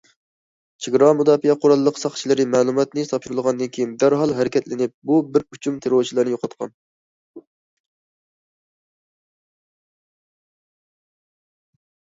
چېگرا مۇداپىئە قوراللىق ساقچىلىرى مەلۇماتنى تاپشۇرۇۋالغاندىن كېيىن، دەرھال ھەرىكەتلىنىپ، بۇ بىر ئۇچۇم تېررورچىلارنى يوقاتقان.